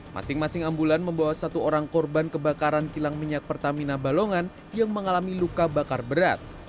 masing masing ambulan membawa satu orang korban kebakaran kilang minyak pertamina balongan yang mengalami luka bakar berat